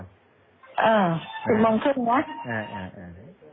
เออ๑๐โมงครึ่งนะ